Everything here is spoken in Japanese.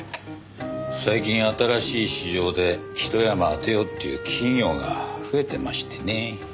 最近新しい市場でひと山当てようっていう企業が増えてましてね。